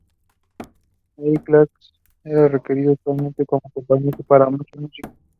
Allí, Clark era requerido usualmente como acompañante por muchos músicos.